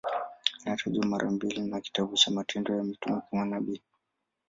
Anatajwa mara mbili na kitabu cha Matendo ya Mitume kama nabii.